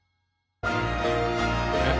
えっ？